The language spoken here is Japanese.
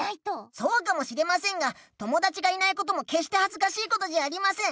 そうかもしれませんが友だちがいないこともけっしてはずかしいことじゃありません。